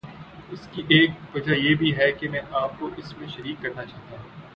اس کی ایک وجہ یہ بھی ہے کہ میں آپ کو اس میں شریک کرنا چاہتا ہوں۔